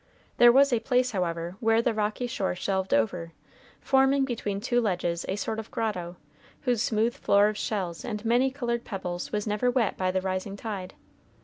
There was a place, however, where the rocky shore shelved over, forming between two ledges a sort of grotto, whose smooth floor of shells and many colored pebbles was never wet by the rising tide.